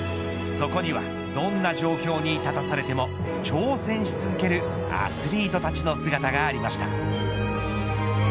そこにはどんな状況に立たされても挑戦し続けるアスリートたちの姿がありました。